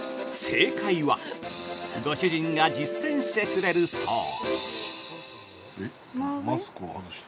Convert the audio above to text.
◆正解は、ご主人が実践してくれるそう。